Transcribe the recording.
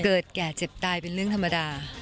แก่เจ็บตายเป็นเรื่องธรรมดา